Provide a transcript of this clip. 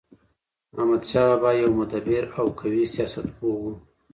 احمدشاه بابا يو مدبر او قوي سیاست پوه و.